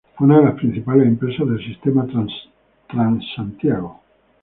Fue una de las principales empresas del sistema Transantiago.